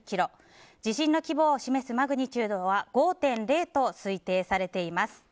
地震の規模を示すマグニチュードは５．０と推定されています。